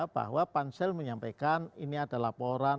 bahwa pansel menyampaikan ini ada laporan